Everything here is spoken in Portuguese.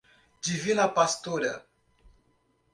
Divina Pastora